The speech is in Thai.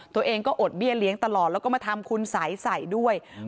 ตัวเองก็อดเบี้ยเลี้ยงตลอดแล้วก็มาทำคุณสัยใส่ด้วย